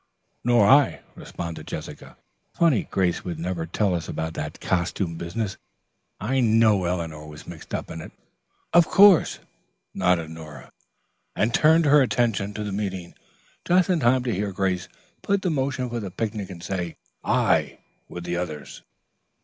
"Nor I," responded Jessica. "Funny Grace would never tell us about that costume business. I know Eleanor was mixed up in it." "Of course," nodded Nora, and turned her attention to the meeting just in time to hear Grace put the motion for the picnic and say "aye" with the others.